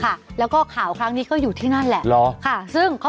ค่ะแล้วก็ข่าวครั้งนี้ก็อยู่ที่นั่นแหละหรอค่ะซึ่งเขา